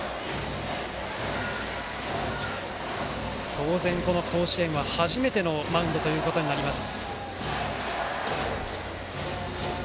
当然、この甲子園は初めてのマウンドとなります。